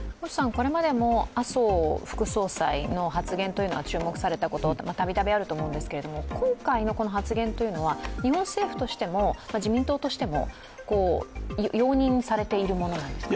これまでも麻生副総裁の発言というのは注目されたこと度々あると思うんですけど今回のこの発言は、日本政府としても自民党としても容認されているものなんですか？